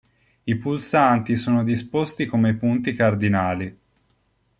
I pulsanti sono disposti come i punti cardinali.